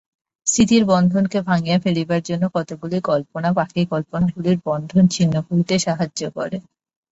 স্থিতির বন্ধনকে ভাঙিয়া ফেলিবার জন্য কতকগুলি কল্পনা বাকী কল্পনাগুলির বন্ধন ছিন্ন করিতে সাহায্য করে।